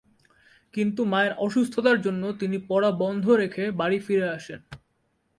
কিন্তু মায়ের অসুস্থতার জন্য তিনি পড়া বন্ধ রেখে বাড়ি ফিরে আসেন।